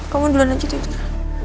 kamu duluan aja tidur